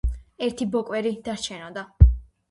ერთი ბოკვერი დარჩენოდა